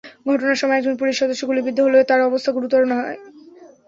ঘটনার সময় একজন পুলিশ সদস্য গুলিবিদ্ধ হলেও তাঁর অবস্থা গুরুতর নয়।